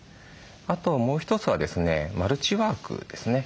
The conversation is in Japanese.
あともう一つはですねマルチワークですね。